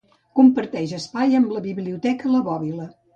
Comparteix espai amb la Biblioteca La Bòbila.